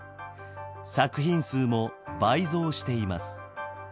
作品数も倍増しています。